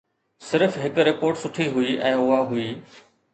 صرف هڪ رپورٽ سٺي هئي ۽ اها هئي.